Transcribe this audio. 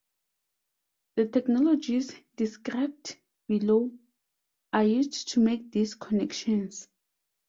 The technologies described below are used to make these connections.